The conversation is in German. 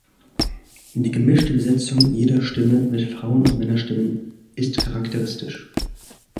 Die gemischte Besetzung jeder Stimme mit Frauen- und Männerstimmen ist charakteristisch.